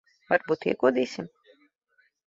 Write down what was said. Varbūt iekodīsim?